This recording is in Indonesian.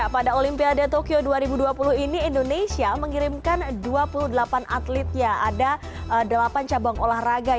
pada olimpiade tokyo dua ribu dua puluh ini indonesia mengirimkan dua puluh delapan atletnya ada delapan cabang olahraga